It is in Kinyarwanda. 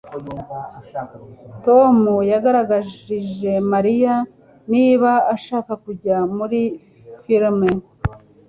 Tom yabajije Mariya niba ashaka kujya muri firime.